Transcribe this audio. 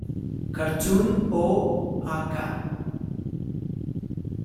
Cartoon o a.k.a.